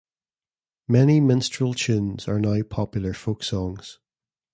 Many minstrel tunes are now popular folk songs.